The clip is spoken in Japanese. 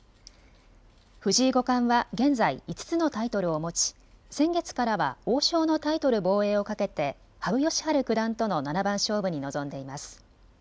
藤井五冠は現在５つのタイトルを持ち、先月からは王将のタイトル防衛をかけて羽生善治九段との七番勝負に臨んでいます。